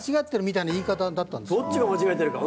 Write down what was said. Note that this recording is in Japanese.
どっちが間違えてるか。